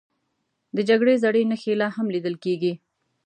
د جګړې زړې نښې لا هم لیدل کېږي.